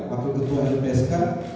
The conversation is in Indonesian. pak ketua lpsk